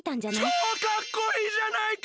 ちょうかっこいいじゃないか！